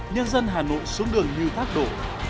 nhân dân hà nội xuống đường như thác đổ